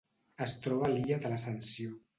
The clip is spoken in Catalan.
Es troba a l'Illa de l'Ascensió.